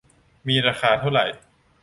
มีราคาเท่าไหร่